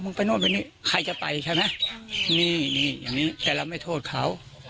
นี่แต่เราไม่โทษเขา